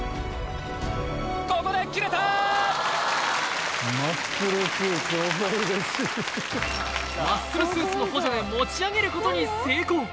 ここで切れたマッスルスーツマッスルスーツの補助で持ち上げることに成功